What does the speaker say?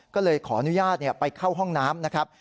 ก็เลยขออนุญาตไปเข้าห้องน้ำนะครับ